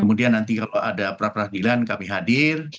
kemudian nanti kalau ada pra peradilan kami hadir